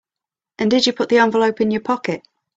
And did you put the envelope in your pocket?